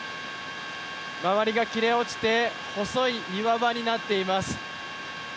周りが切れ落ちて細い岩場になっています。